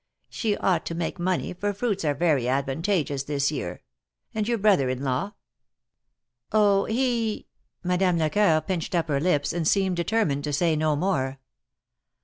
She ought to make money, for fruits are very advantageous this year. And your brother in law ?" 54 THE MARKETS OF PARIS. «Oh! he—" Madame Lecoeur pinched up her lips, and seemed determined to say no more.